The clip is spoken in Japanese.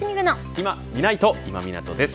いまみないと、今湊です。